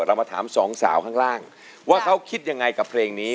เรามาถามสองสาวข้างล่างว่าเขาคิดยังไงกับเพลงนี้